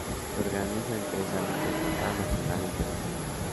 Se organiza en tres ámbitos: local, nacional e internacional.